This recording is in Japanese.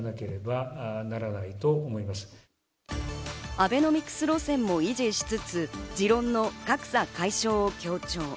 アベノミクス路線を維持しつつ、持論の格差解消を強調。